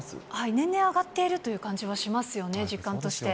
年々上がっているという感じはしますよね、実感として。